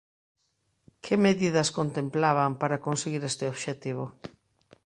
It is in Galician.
¿Que medidas contemplaban para conseguir este obxectivo?